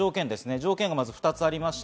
条件が２つあります。